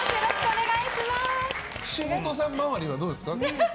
岸本さん周りはどうですか？